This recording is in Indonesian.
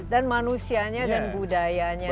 dan manusianya dan budayanya